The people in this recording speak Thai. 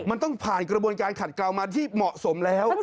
มันต้องผ่านกระบวนการขัดกล่าวมาที่เหมาะสมแล้ว